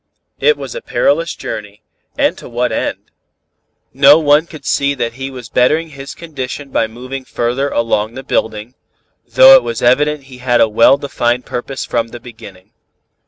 It was a perilous journey, and to what end? "No one could see that he was bettering his condition by moving further along the building, though it was evident he had a well defined purpose from the beginning.